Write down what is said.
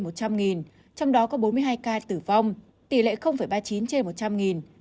trong đó có bốn mươi hai ca tử vong tỷ lệ ba mươi chín trên một trăm linh